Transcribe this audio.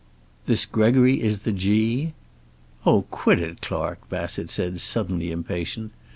"This Gregory is the 'G'?" "Oh, quit it, Clark," Bassett said, suddenly impatient.